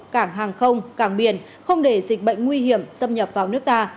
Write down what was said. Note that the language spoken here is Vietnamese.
cảng hàng không cảng biển không để dịch bệnh nguy hiểm xâm nhập vào nước ta